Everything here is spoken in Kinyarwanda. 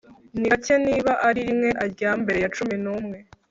Ni gake niba ari rimwe aryama mbere ya cumi numwe